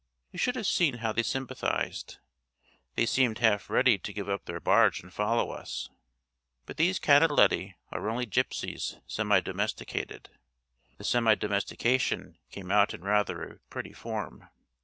You should have seen how they sympathised. They seemed half ready to give up their barge and follow us. But these canaletti are only gypsies semi domesticated. The semi domestication came out in rather a pretty form.